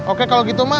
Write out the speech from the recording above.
oke kalau gitu ma